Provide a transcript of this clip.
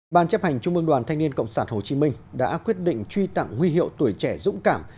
ban chấp hành trung mương đoàn thanh niên cộng sản hồ chí minh đã quyết định truy tặng huy hiệu tuổi trẻ dũng cảm